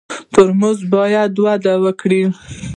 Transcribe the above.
توریزم باید وده وکړي